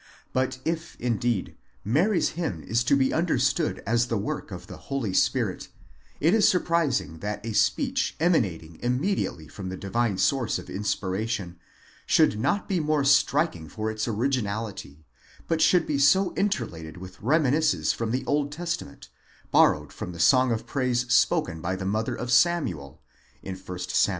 But if, indeed, Mary's hymn is to be understood as the work of the Holy Spirit, it is surprising that a speech emanating immediately from the divine source of inspiration should not be more striking for its originality, but should be so interlarded with remi niscences from the Old Testament, borrowed from the song of praise spoken by the mother of Samuel (1 Sam.